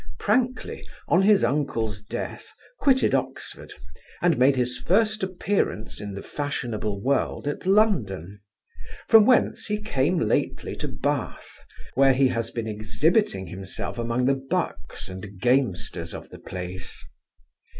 Prankley, on his uncle's death, quitted Oxford, and made his first appearance in the fashionable world at London; from whence he came lately to Bath, where he has been exhibiting himself among the bucks and gamesters of the place.